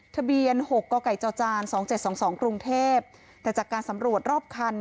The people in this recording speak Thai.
ทะเบียน๖กไก่จจ๒๗๒๒กรุงเทพแต่จากการสำรวจรอบคัน